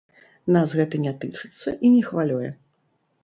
Нас гэта не тычыцца і не хвалюе.